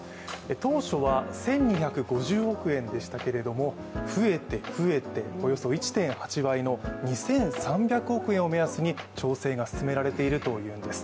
当初は１２５０億円でしたけれども、増えて増えて、およそ１．８倍の２３００億円を目安に調整が進められているというんです。